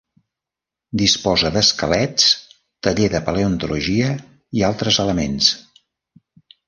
Disposa d'esquelets, taller de paleontologia i altres elements.